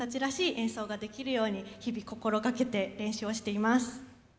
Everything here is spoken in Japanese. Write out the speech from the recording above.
演奏ができるように日々心がけて練習をしています。